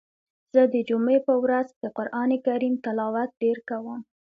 زه د جمعی په ورځ د قرآن کریم تلاوت ډیر کوم.